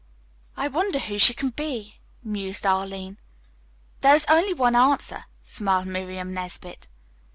"I wonder who she can be," mused Arline. "There is only one answer," smiled Miriam Nesbit.